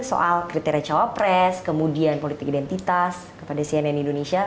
soal kriteria cawapres kemudian politik identitas kepada cnn indonesia